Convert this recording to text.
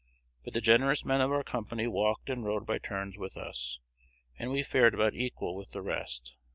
But the generous men of our company walked and rode by turns with us; and we fared about equal with the rest.